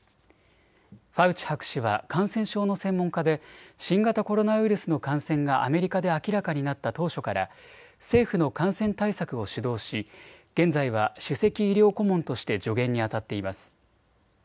ファウチ博士は感染症の専門家で新型コロナウイルスの感染がアメリカで明らかになった当初から政府の感染対策を主導し現在は首席医療顧問として助言にあたっています。